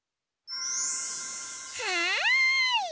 はい！